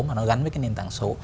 mà nó gắn với nền tảng số